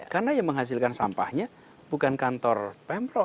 karena yang menghasilkan sampahnya bukan kantor pemprov